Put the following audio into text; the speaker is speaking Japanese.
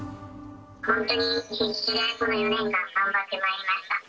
本当に必死でこの４年間頑張ってまいりました。